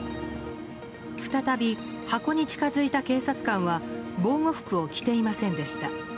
再び、箱に近づいた警察官は防護服を着ていませんでした。